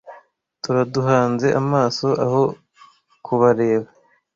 turaduhanze amaso aho kubareba